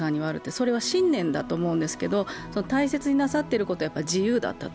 それは信念だと思うんですけど大切になさってることは自由だったと。